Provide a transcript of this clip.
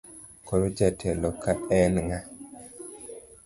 Koro jatelo ka en ng'a?